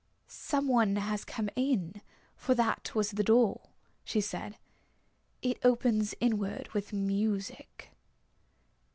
"Some one has come in, for that was the door," she said. "It opens inward with music."